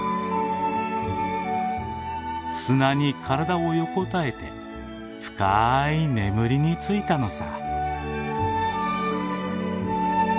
砂に体を横たえて深い眠りについたのさ。